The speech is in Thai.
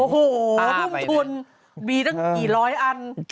โอ้โหทุ่มทุนมีตั้งกี่ร้อยอัน